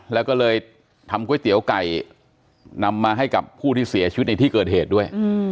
แล้วก็เลยทำก๋วยเตี๋ยวไก่นำมาให้กับผู้ที่เสียชีวิตในที่เกิดเหตุด้วย